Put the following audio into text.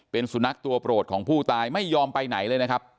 เป็นสุนัขตัวโปรดของผู้ตายไม่ยอมไปไหนเลยนะครับ